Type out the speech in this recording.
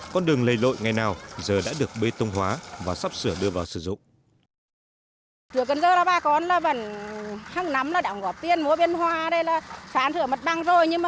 con đường lầy lội ngày nào giờ đã được bê tông hóa và sắp sửa đưa vào sử dụng